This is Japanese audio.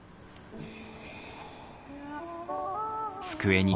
うん。